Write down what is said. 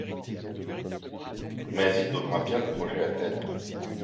Mais il donnera bien le projet à Ted.